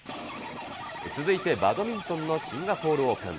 続いてバドミントンのシンガポールオープン。